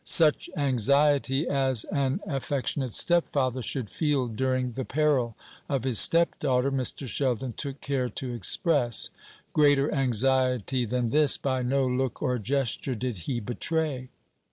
Such anxiety as an affectionate stepfather should feel during the peril of his stepdaughter Mr. Sheldon took care to express. Greater anxiety than this by no look or gesture did he betray.